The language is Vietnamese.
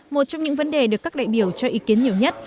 một trong những vấn đề được các đại biểu cho ý kiến nhiều nhất